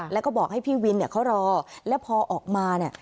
แล้วก็บอกให้พี่วินเนี่ยเขารอแล้วพอออกมาเนี่ย